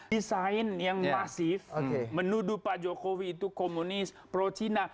desain yang masif menuduh pak jokowi itu komunis pro cina